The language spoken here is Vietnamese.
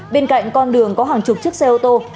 bên cạnh con đường có hàng chục chiếc xe ô tô